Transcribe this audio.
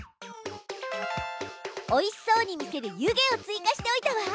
おいしそうに見せる「湯気」を追加しておいたわ。